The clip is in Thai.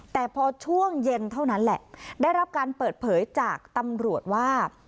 แต่พอช่วงเย็นเท่านั้นแหละได้รับการเปิดเผยจากตำรวจว่า